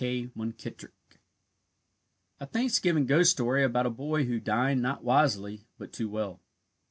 K. MUNKITTRICK. A Thanksgiving ghost story about a boy who dined not wisely but too well.